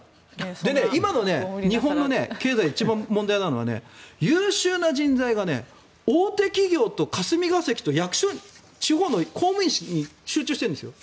で、今の日本の経済で一番問題なのは優秀な人材が大手企業と霞が関と役所、地方の公務員に集中してるんです。